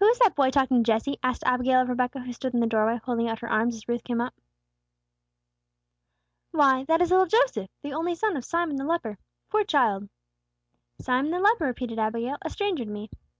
"Who is that boy talking to Jesse?" asked Abigail of Rebecca, who stood in the doorway, holding out her arms as Ruth came up. "Why, that is little Joseph, the only son of Simon the leper. Poor child!" "Simon the leper," repeated Abigail. "A stranger to me."